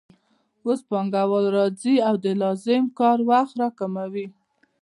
اوس پانګوال راځي او د لازم کار وخت راکموي